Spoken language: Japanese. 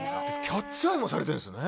「キャッツ・アイ」もされてるんですね。